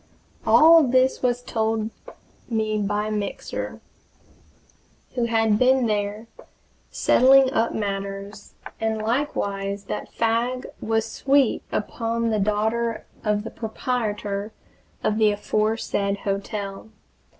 All this was told me by Mixer, who had been there, settling up matters, and likewise that Fagg was sweet upon the daughter of the proprietor of the aforesaid hotel.